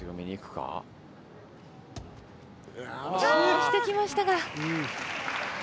押してきましたが。